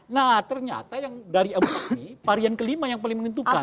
nah ternyata yang dari abu ini varian kelima yang paling menentukan